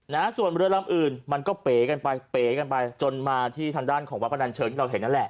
นะฮะส่วนเรือลำอื่นมันก็เป๋กันไปเป๋กันไปจนมาที่ทางด้านของวัดพนันเชิงที่เราเห็นนั่นแหละ